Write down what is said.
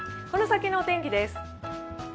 この先のお天気です。